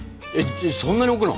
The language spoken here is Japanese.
そんなに置くの？